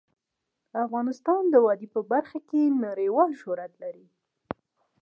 افغانستان د وادي په برخه کې نړیوال شهرت لري.